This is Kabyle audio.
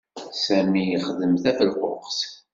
Sami ixdem tafelquqt.